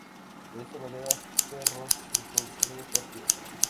De esta manera, Ferro se consagró campeón.